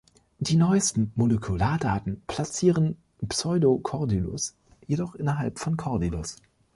Die neuesten Molekulardaten platzieren „Pseudocordylus“ jedoch innerhalb von „Cordylus“.